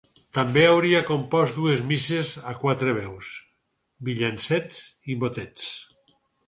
També hauria compost dues misses a quatre veus, villancets i motets.